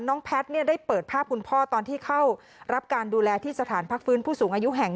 แพทย์ได้เปิดภาพคุณพ่อตอนที่เข้ารับการดูแลที่สถานพักฟื้นผู้สูงอายุแห่ง